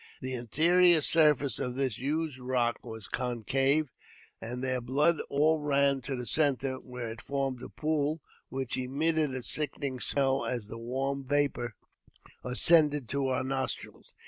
The interior surface of this huge rock was concave, and thei blood all ran to the centre, where it formed a pool, which emitted a sickening smell as the warm vapour ascended to our nostrils.